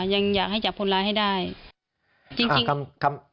ยังอยากให้จับคนร้ายให้ได้จริง